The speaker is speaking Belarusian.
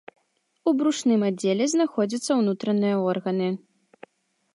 У брушным аддзеле знаходзяцца ўнутраныя органы.